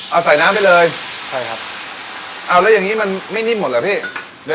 เอาใส่น้ำไปเลยใช่ครับเอาแล้วอย่างงี้มันไม่นิ่มหมดเหรอพี่